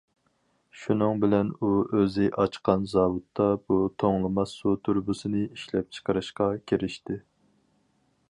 شۇنىڭ بىلەن ئۇ ئۆزى ئاچقان زاۋۇتتا بۇ توڭلىماس سۇ تۇرۇبىسىنى ئىشلەپچىقىرىشقا كىرىشتى.